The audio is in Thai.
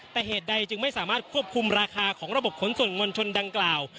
แต่เหตุใดจึงไม่สามารถควบคุมราคาของระบบขนส่งมวลชนดังกล่าว